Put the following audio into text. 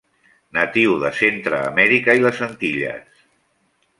Natiu de Centreamèrica i les Antilles.